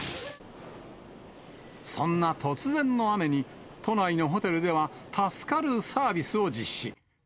そんな突然の雨に、都内のホテルでは助かるサービスを実施。